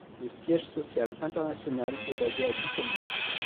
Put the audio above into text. Le siège social international est basé à Düsseldorf.